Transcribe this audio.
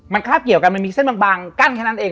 มันคาบเกี่ยวกันมันมีเส้นบางกั้นแค่นั้นเอง